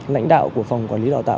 lãnh đạo của phòng quản lý đào tạo